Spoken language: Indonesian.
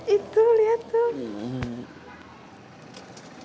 itu lihat tuh